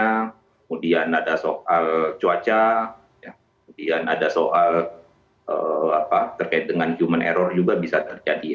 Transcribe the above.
kemudian ada soal cuaca kemudian ada soal terkait dengan human error juga bisa terjadi